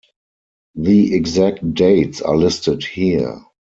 The exact dates are listed here.